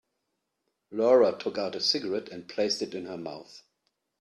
Laura took out a cigarette and placed it in her mouth.